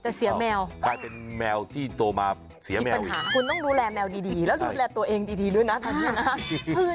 จะเสียแมวมีปัญหาคุณต้องดูแลแมวดีแล้วดูแลตัวเองดีด้วยนะท่านเนี่ยนะ